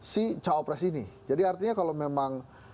si cawapres ini jadi artinya kalau memang